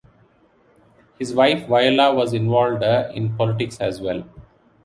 His wife Viola was involved in politics as well.